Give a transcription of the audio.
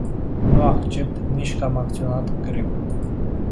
Nu accept nici că am acționat greu.